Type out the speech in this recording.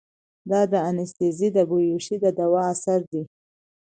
دا د انستيزي د بېهوشي د دوا اثر ديه.